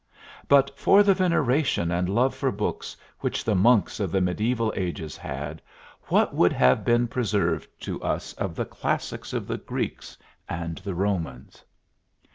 But for the veneration and love for books which the monks of the mediaeval ages had, what would have been preserved to us of the classics of the Greeks and the Romans?